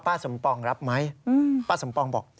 สมปองรับไหมป้าสมปองบอก